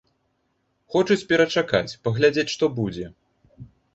Хочуць перачакаць, паглядзець, што будзе.